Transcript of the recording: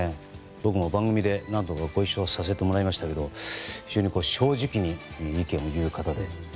僕も番組で何度かご一緒させてもらいましたが非常に正直に意見を言う方で。